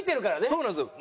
そうなんですよ。